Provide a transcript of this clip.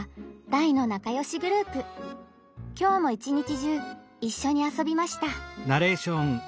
きょうも一日中一緒に遊びました。